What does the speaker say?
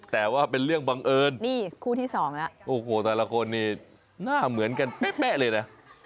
แต่ว่าเป็นเรื่องบังเอิญนี่คู่ที่สองแล้วโอ้โหแต่ละคนนี่หน้าเหมือนกันเป๊ะเลยนะ